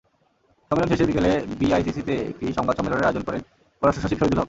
সম্মেলন শেষে বিকেলে বিআইসিসিতে একটি সংবাদ সম্মেলনের আয়োজন করেন পররাষ্ট্রসচিব শহিদুল হক।